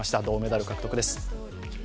銅メダル獲得です。